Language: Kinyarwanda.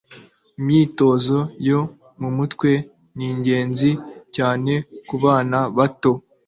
Imyitozo yo mu mutwe ni ingenzi cyane kubana bato